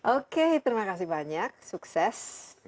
oke terima kasih banyak sukses